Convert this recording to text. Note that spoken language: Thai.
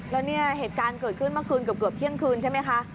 แล้วเนี่ยเหตุการณ์เกิดขึ้นเมื่อคืนเกือบเที่ยงคืนใช่ไหมคะ